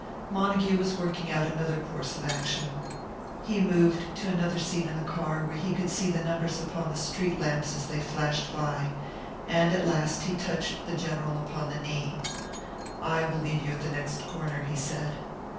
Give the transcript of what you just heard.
Montague was working out another course of action. He moved to another seat in the car where he could see the numbers upon the street lamps as they flashed by; and at last he touched the General upon the knee. "I will leave you at the next corner," he said.